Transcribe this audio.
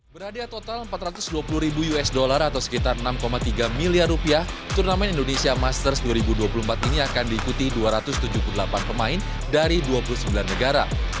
berhadiah total empat ratus dua puluh ribu usd atau sekitar enam tiga miliar rupiah turnamen indonesia masters dua ribu dua puluh empat ini akan diikuti dua ratus tujuh puluh delapan pemain dari dua puluh sembilan negara